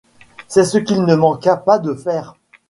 C'est ce qu'il ne manqua pas de faire.